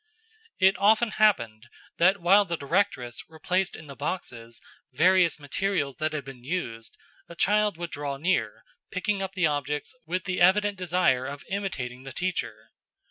It often happened that while the directress replaced in the boxes various materials that had been used, a child would draw near, picking up the objects, with the evident desire of imitating the teacher.